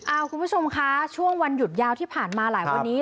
คุณผู้ชมคะช่วงวันหยุดยาวที่ผ่านมาหลายวันนี้